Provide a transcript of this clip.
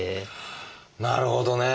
なるほどね。